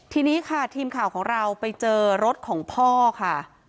ทีนี้ค่ะทีมข่าวของเราไปเจอรถของพ่อค่ะ